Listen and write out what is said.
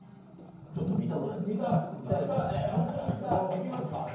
ちょっと見たくないですか？